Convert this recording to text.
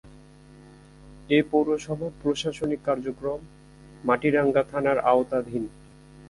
এ পৌরসভার প্রশাসনিক কার্যক্রম মাটিরাঙ্গা থানার আওতাধীন।